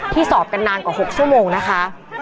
สอบกันนานกว่า๖ชั่วโมงนะคะ